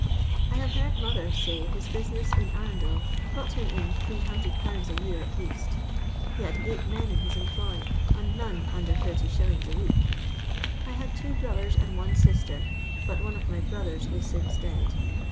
I have heard mother say his bnsinesa in Anm del brought him in 800L a year at least He had eight men in his employ, and none nnder 80s. a week. I had two brodiers and one aster, bat one of my brothers is since dead.